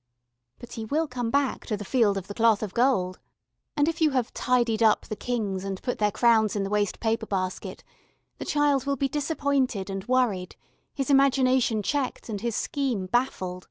But he will come back to the Field of the Cloth of Gold, and if you have "tidied up" the kings and put their crowns in the wastepaper basket the child will be disappointed and worried, his imagination checked and his scheme baffled.